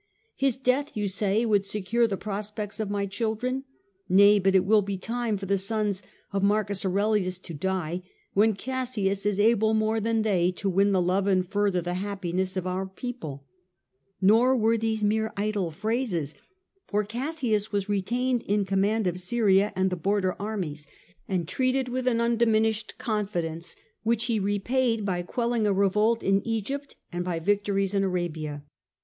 His death, you say, would secure the prospects of my children. Nay, but it will be time for the sons of M. Aurelius to die when Cassius is able more than they to win the love and further the happiness of our people.^ Nor were these mere idle phrases, for Cassius was retained in command of Syria and the border armies, against vmom M. Aurelius had been warned in rain. 147 1 8o. Marcus Aurelius Antoninus, 105 and treated with an undiminished confidence, which he repaid by quelling a revolt in Egypt and by victories in Arabia.